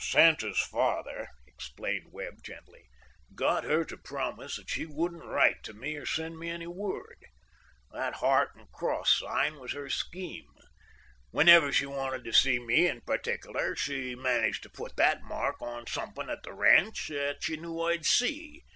"Santa's father," explained Webb gently, "got her to promise that she wouldn't write to me or send me any word. That heart and cross sign was her scheme. Whenever she wanted to see me in particular she managed to put that mark on somethin' at the ranch that she knew I'd see.